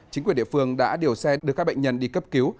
chính quyền địa phương đã điều xe đưa các bệnh nhân đi cấp cứu